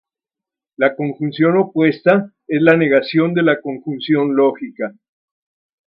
La conjunción opuesta es la negación de la conjunción lógica.